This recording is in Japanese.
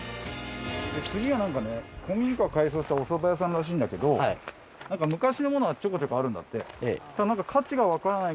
次はなんかね古民家を改装したおそば屋さんらしいんだけどなんか昔のものがちょこちょこあるんだって。